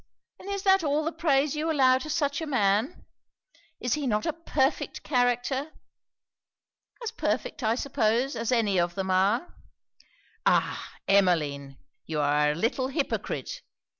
and is that all the praise you allow to such a man? Is he not a perfect character?' 'As perfect, I suppose, as any of them are.' 'Ah! Emmeline, you are a little hypocrite.